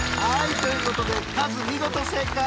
ということでカズ見事正解！